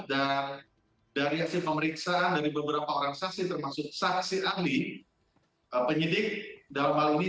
dan dari hasil pemeriksaan dari beberapa orang saksi termasuk saksi ahli penyidik dalam hal ini